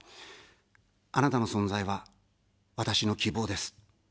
あなたの存在は、私の希望です。